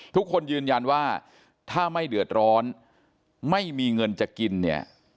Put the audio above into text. ทุกคนยืนยันว่าถ้าไม่เดือดร้อนไม่มีเงินจะกินเนี่ย